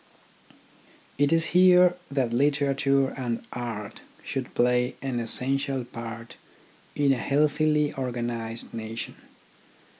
It is here that literature and art should play an essential part in a healthily organised nation.